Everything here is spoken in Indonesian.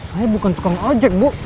saya bukan tukang ojek bu